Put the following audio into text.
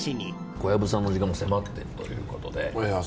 小籔さんの時間も迫ってきたということで。